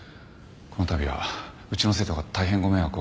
このたびはうちの生徒が大変ご迷惑をお掛けしました。